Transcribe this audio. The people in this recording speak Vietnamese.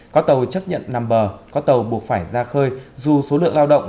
có tàu chấp nhận nằm bờ có tàu buộc phải ra khơi dù số lượng lao động